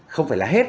không phải là hết